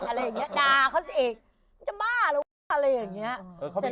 นาเขาเองมันจะบ้าเรอะไรแบบนี้